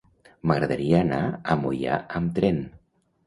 M'agradaria anar a Moià amb tren.